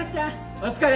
お疲れ！